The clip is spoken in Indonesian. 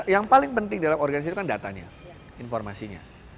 yang paling penting dalam organisasi itu kan datanya informasinya